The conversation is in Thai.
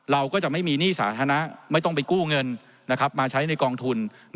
เราก็จะไม่มีหนี้สาธารณะไม่ต้องไปกู้เงินมาใช้ในกองทุน